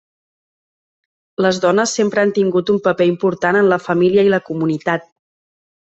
Les dones sempre han tingut un paper important en la família i la comunitat.